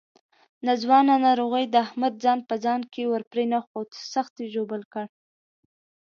ناځوانه ناروغۍ د احمد ځان په ځان کې ورپرېنښود، سخت یې ژوبل کړ.